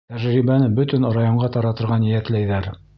Тәжрибәне бөтөн районға таратырға ниәтләйҙәр.